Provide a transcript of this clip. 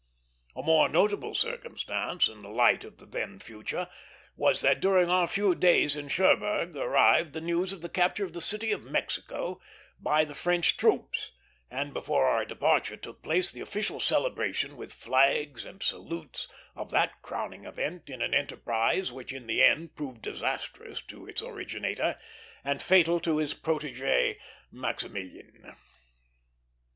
A more notable circumstance, in the light of the then future, was that during our few days in Cherbourg arrived the news of the capture of the city of Mexico by the French troops; and before our departure took place the official celebration, with flags and salutes, of that crowning event in an enterprise which in the end proved disastrous to its originator, and fatal to his protégé, Maximilian.